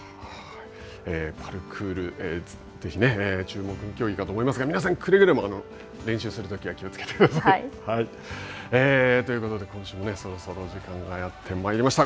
パルクール、ぜひ、注目の競技かと思いますが、皆さん、くれぐれも、練習するときには、気をつけてください。ということで今週もそろそろお時間がやってまいりました。